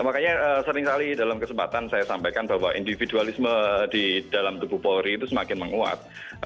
makanya seringkali dalam kesempatan saya sampaikan bahwa individualisme di dalam tubuh polri itu semakin menguat